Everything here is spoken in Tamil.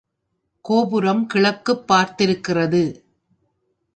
கோபுரம் கிழக்குப் பார்த்திருக்கிறது.